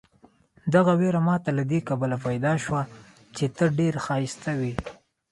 دغه وېره ماته له دې کبله پیدا شوه چې ته ډېر ښایسته وې.